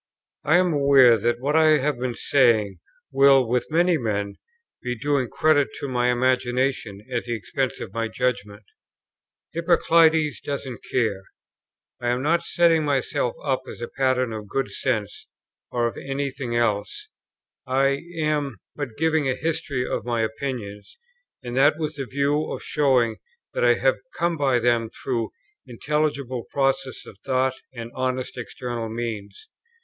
I am aware that what I have been saying will, with many men, be doing credit to my imagination at the expense of my judgment "Hippoclides doesn't care;" I am not setting myself up as a pattern of good sense or of any thing else: I am but giving a history of my opinions, and that, with the view of showing that I have come by them through intelligible processes of thought and honest external means.